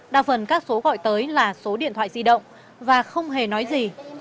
đa phần các số gọi tới là số điện thoại di động và không hề nói gì